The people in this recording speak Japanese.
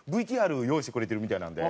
ＶＴＲ用意してくれてるみたいなんで。